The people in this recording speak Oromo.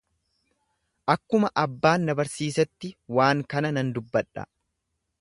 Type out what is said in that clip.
Akkuma abbaan na barsiisetti waan kana nan dubbadha.